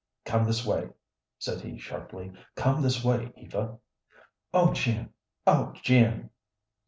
"Come this way," said he, sharply. "Come this way, Eva." "Oh, Jim! oh, Jim!"